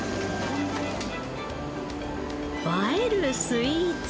映えるスイーツ。